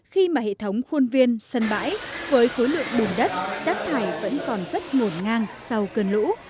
khi mà hệ thống khuôn viên sân bãi với khối lượng bùn đất rác thải vẫn còn rất ngổn ngang sau cơn lũ